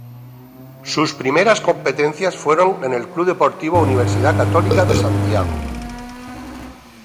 Sus primeras competencias fueron en el Club Deportivo Universidad Católica de Santiago.